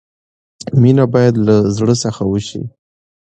مینه باید لۀ زړۀ څخه وشي.